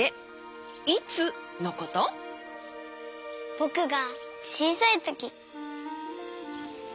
ぼくがちいさいとき。